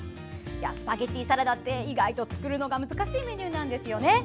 スパゲッティサラダって意外と作るのが難しいメニューなんですよね。